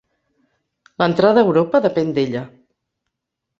L'entrada a Europa depèn d'ella.